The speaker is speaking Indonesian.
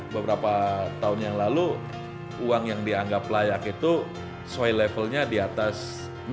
beberapa tahun yang lalu uang yang dianggap layak itu soy levelnya di atas